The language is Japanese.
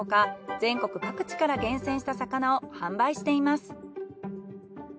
全国各地から厳選した魚を販売しています。